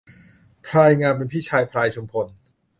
พลายงามเป็นพี่ชายพลายชุมพล